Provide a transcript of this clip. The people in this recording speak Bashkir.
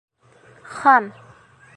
Хам!